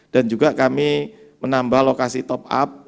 dan juga kami menambah lokasi top up